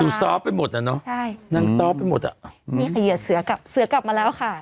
ดูซ้อไปหมดอ่ะเนอะใช่นั่งซ้อไปหมดอ่ะนี่ค่ะเหยื่อเสือกลับเสือกลับมาแล้วค่ะ